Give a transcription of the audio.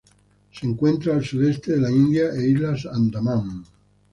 Se encuentra al sudeste de la India e Islas Andamán.